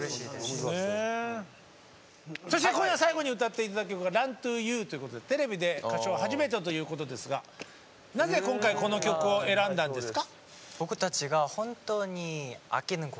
そして今夜最後に歌っていただく曲が「ＲｕｎｔｏＹｏｕ」ということでテレビで歌唱は初めてだということですがなぜ今回この曲を選んだんですか？